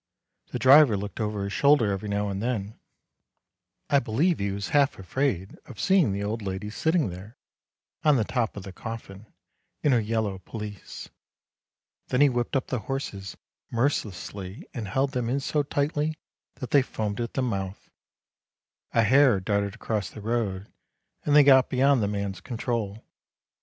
The driver looked over his shoulder every now and then; I believe he was half afraid of seeing the old lady sitting there, on the top of the coffin, in her yellow pelisse. Then he whipped up the horses mercilessly and held them in so tightly that they foamed at the mouth, a hare darted across the road, and they got beyond the man's control.